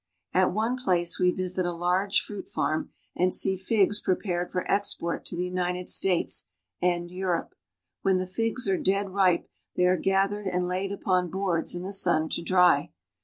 At one place we visit a large fruit farm and see figs prepared for export to the United States and Europe, When the figs are dead ripe, they are gathered and laid upon boards in the sun to dry.